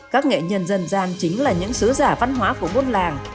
các nghệ nhân dân gian chính là những sứ giả văn hóa của buôn làng